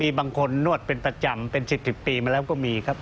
มีบางคนนวดเป็นประจำเป็น๑๐ปีมาแล้วก็มีครับ